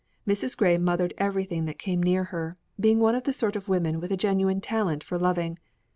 Mrs. Grey mothered everything that came near her, being one of the sort of women with a genuine talent for loving.